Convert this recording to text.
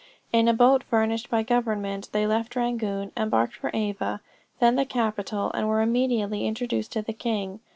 In a boat furnished by government, they left Rangoon, embarked for Ava, then the capital, and were immediately introduced to the king.